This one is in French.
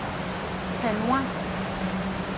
C’est loin.